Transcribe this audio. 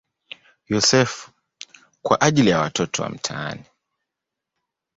Yosefu" kwa ajili ya watoto wa mitaani.